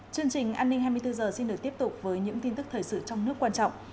chương trình an ninh hai mươi bốn h xin được tiếp tục với những tin tức thời sự trong nước quan trọng